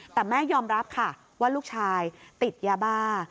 แต่แม่ยอมรับค่ะว่าลูกชายติดยาบ้า